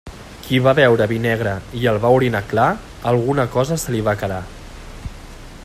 Qui va beure vi negre i el va orinar clar, alguna cosa se li va quedar.